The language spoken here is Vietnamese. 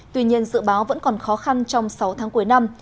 tuy nhiên dự báo vẫn còn khó khăn trong sáu tháng cuối năm